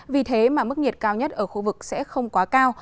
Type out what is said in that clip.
vì thế mà mức nhiệt cao nhất ở khu vực sẽ không quá cao